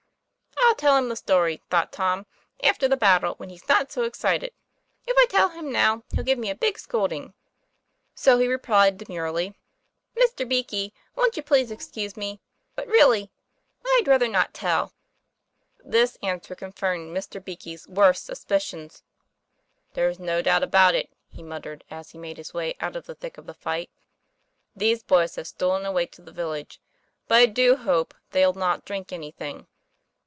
"I'll tell him the story," thought Tom, "after the battle, when he's not so excited, If I tell him now he'll give me a big scolding." So he replied demurely: TOM PLAY FAIR. 189 ;< Mr. Beakey, wont you please excuse me ? But, really, I'd rather not tell." This answer confirmed Mr. Beakey's worst sus picions. 'There's no doubt about it," he muttered, as he made his way out of the thick of the fight. " These boys have stolen away to the village. But I do hope they'll not drink anything."